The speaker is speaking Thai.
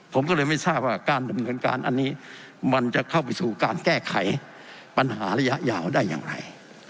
ผมก็เลยไม่ทราบว่าการดำเนินการอันนี้มันจะเข้าไปสู่การแก้ไขปัญหาระยะยาวได้อย่างไร